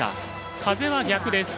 風は逆です。